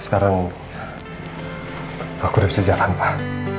sekarang aku udah bisa jalan pak